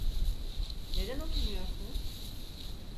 Neden oturmuyorsunuz?